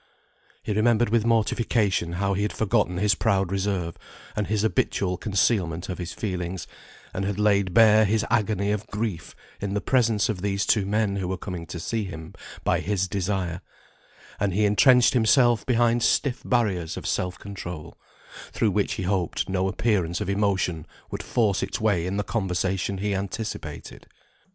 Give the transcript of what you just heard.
He remembered with mortification how he had forgotten his proud reserve, and his habitual concealment of his feelings, and had laid bare his agony of grief in the presence of these two men who were coming to see him by his desire; and he entrenched himself behind stiff barriers of self control, through which he hoped no appearance of emotion would force its way in the conversation he anticipated.